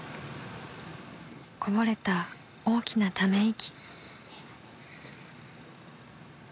［こぼれた大きなため息］